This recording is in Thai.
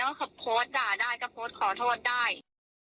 มันก็คือโพสต์ด่าได้ก็โพสต์ขอโทษได้